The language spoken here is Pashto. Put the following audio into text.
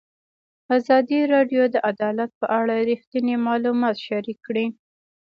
ازادي راډیو د عدالت په اړه رښتیني معلومات شریک کړي.